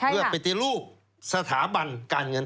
เพื่อปฏิรูปสถาบันการเงิน